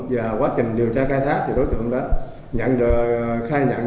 và quá trình điều tra khai thác thì đối tượng đã nhận được khai nhận